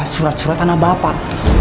surat surat anak bapak